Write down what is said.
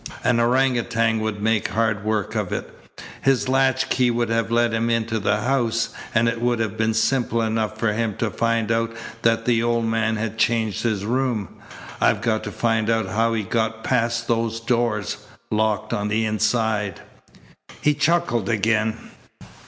An orangoutang would make hard work of it. His latch key would have let him into the house, and it would have been simple enough for him to find out that the old man had changed his room. I've got to find out how he got past those doors, locked on the inside." He chuckled again.